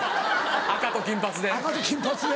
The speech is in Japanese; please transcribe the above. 赤と金髪で。